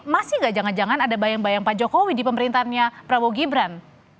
masih gak jangan jangan ada bayang bayang pak jokowi di pemerintahnya prabowo gibran